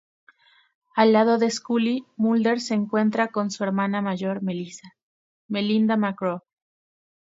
Al lado de Scully, Mulder se encuentra con su hermana mayor Melissa —Melinda McGraw—.